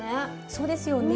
そうですよね。